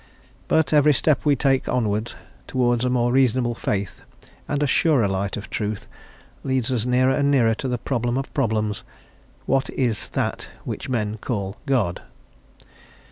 But every step we take onwards towards a more reasonable faith and a surer light of Truth leads us nearer and nearer to the problem of problems, "What is That which men call God?"